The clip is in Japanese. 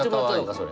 それ。